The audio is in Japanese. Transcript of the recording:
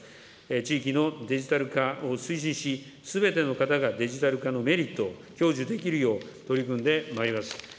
地域のデジタル化を推進し、すべての方がデジタル化のメリットを享受できるよう、取り組んでまいります。